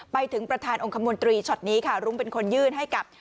ไปถึงประธานองค์คมนตรีช็อตนี้ค่ะรุ้งเป็นคนยื่นให้กับ